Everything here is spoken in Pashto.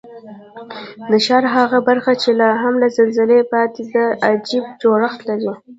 د ښار هغه برخه چې لا هم له زلزلو پاتې ده، عجیب جوړښت لري.